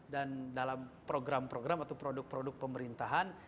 dan dalam program program atau produk produk pemerintahan